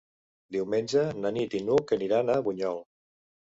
Diumenge na Nit i n'Hug aniran a Bunyol.